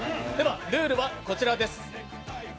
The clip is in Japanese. ルールはこちらです。